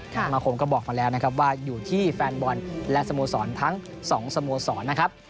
สมาคมก็บอกมาแล้วนะครับว่าอยู่ที่แฟนบอลและสโมสรทั้ง๒สโมสรนะครับ